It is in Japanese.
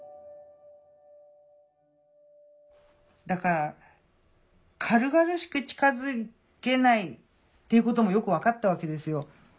だから軽々しく近づけないっていうこともよく分かったわけですよ。